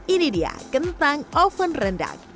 ini dia kentang oven rendang